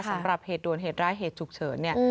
สำหรับเหตุด่วนเหตุร้ายเหตุฉุกเฉินเนี่ย